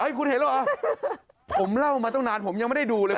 คุณเห็นหรอผมเล่ามาตั้งนานผมยังไม่ได้ดูเลย